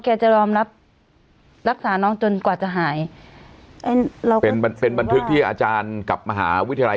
จะรอมรับรักษาน้องจนกว่าจะหายเราเป็นเป็นบันทึกที่อาจารย์กับมหาวิทยาลัย